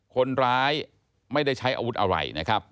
คนร้ายไม่ได้ใช้อาวุธอะไรนะครับ